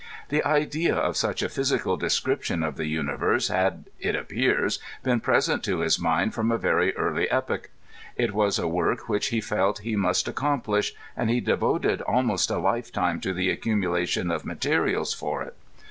The idea of such a physical description of the universe had, it appears, been present to his mind firom a very early epoch. It was a work which he felt he must accomplish, and he de voted almost a lifetime to the accumulation of materials for it.